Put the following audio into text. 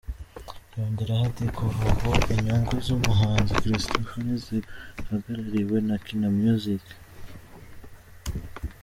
Yongeraho ati “Kuva ubu inyungu z’umuhanzi Christopher ntizigihagarariwe na Kina Music.